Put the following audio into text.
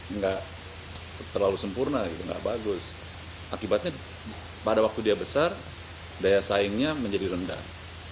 nggak terlalu sempurna gitu nggak bagus akibatnya pada waktu dia besar daya saingnya menjadi rendah